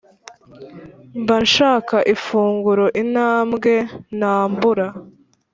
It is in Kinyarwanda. mba nshaka ifunguro intambwe nambura